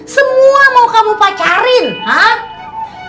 semua mau kamu pacarin